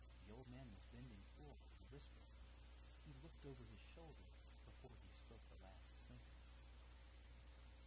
The old man was bending forward and whispering; he looked over his shoulder before he spoke the last sentence.